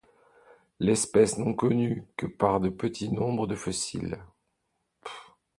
L'espèce n'est connue que par un petit nombre de fossiles.